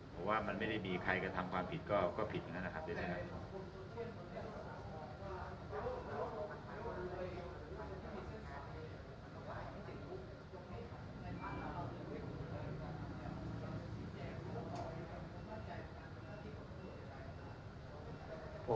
ผมว่ามันไม่ได้มีใครก็ทำความผิดก็ผิดนะครับได้ได้ครับ